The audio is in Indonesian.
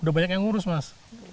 udah banyak yang ngurus mas